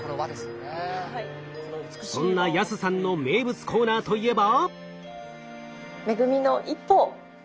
そんな安さんの名物コーナーといえば？